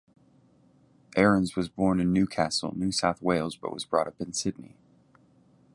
Aarons was born in Newcastle, New South Wales but was brought up in Sydney.